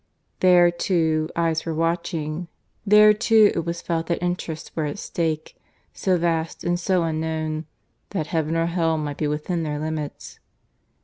There too, eyes were watching; there too it was felt that interests were at stake, so vast and so unknown, that heaven or hell might be within their limits.